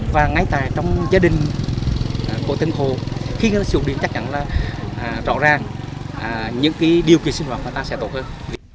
và ngay tại trong gia đình của tên hồ khi sử dụng điện chắc chắn là rõ ràng những điều kỳ sinh hoạt của ta sẽ tốt hơn